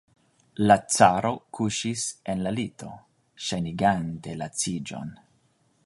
La caro kuŝis en la lito, ŝajnigante laciĝon.